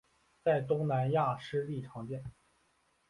在东南亚湿地常见。